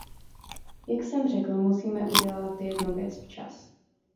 Jak jsem řekl, musíme udělat jednu věc včas.